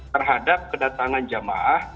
terhadap kedatangan jamaah